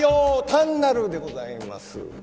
単なるでございます。